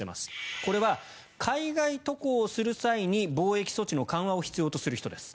これは海外渡航をする際に防疫措置の緩和を必要とする人です。